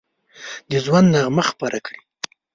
د ژوند نغمه خپره کړي